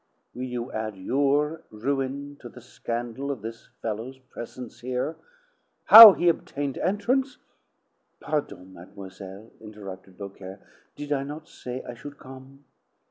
"Will you add your ruin to the scandal of this fellow's presence here? How he obtained entrance " "Pardon, mademoiselle," interrupted Beaucaire. "Did I not say I should come?